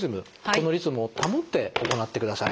このリズムを保って行ってください。